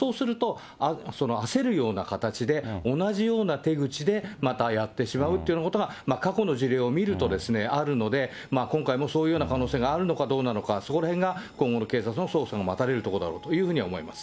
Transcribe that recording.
そうすると、焦るような形で、同じような手口で、またやってしまうということようなことが、過去の事例を見るとあるので、今回もそういうような可能性があるのかどうなのか、そこらへんが今後の警察の捜査が待たれるところだろうというふうに思います。